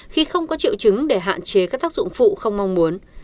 khi không có triệu chứng để hạn chế các tác dụng phụ không mong muốn